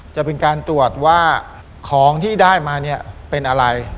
จะเป็นการตรวจว่าของที่ได้มาเนี่ยเป็นอะไร